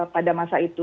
pada masa itu